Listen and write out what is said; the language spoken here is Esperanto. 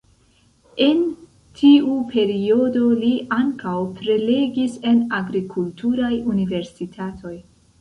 En tiu periodo li ankaŭ prelegis en agrikulturaj universitatoj.